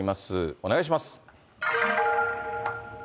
お願いします。